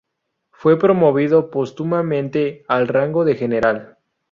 Fue promovido póstumamente al rango de General.